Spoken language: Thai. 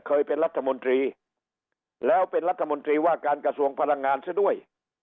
เคยเป็นรัฐมนตรีแล้วเป็นรัฐมนตรีว่าการกระทรวงพลังงานซะด้วย